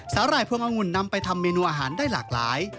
หร่ายพวงองุ่นนำไปทำเมนูอาหารได้หลากหลาย